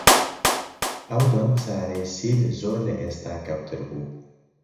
ئەو دەم چارەی سیل زۆر لە ئێستا کەمتر بوو